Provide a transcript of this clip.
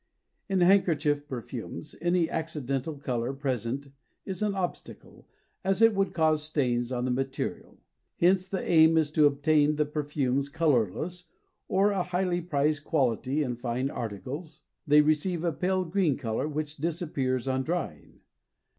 In handkerchief perfumes, any accidental color present is an obstacle, as it would cause stains on the material. Hence the aim is to obtain the perfumes colorless or—a highly prized quality in fine articles—they receive a pale green color which disappears on drying.